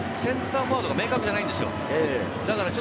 センターフォワードが明確じゃないんですよ。